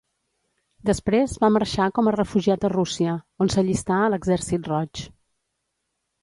Després va marxar com a refugiat a Rússia, on s'allistà a l'Exèrcit Roig.